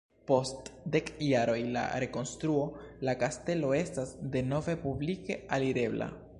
Post dek jaroj da rekonstruo la kastelo estas denove publike alirebla.